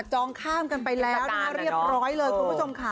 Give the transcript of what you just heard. จองข้ามกันไปแล้วนะเรียบร้อยเลยคุณผู้ชมค่ะ